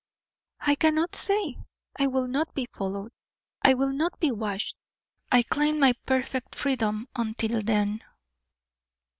"I cannot say; I will not be followed, I will not be watched. I claim my perfect freedom until then."